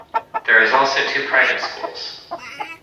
There is also two private schools.